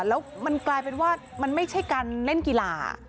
แล้วมันกลายเป็นว่ามันไม่ใช่การเล่นกีฬา